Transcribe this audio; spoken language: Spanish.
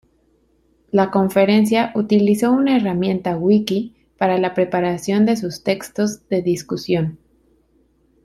La Conferencia utilizó una herramienta wiki para la preparación de sus textos de discusión.